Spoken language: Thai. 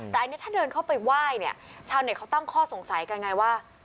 แต่อันนี้ถ้าเดินเข้าไปไหว้เนี่ยชาวเน็ตเขาตั้งข้อสงสัยกันไงว่า